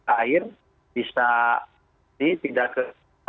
air bisa dikendalikan